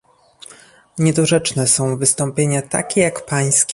Niedorzeczne są wystąpienia takie jak pańskie